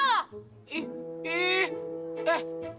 tidak tahu enggak lo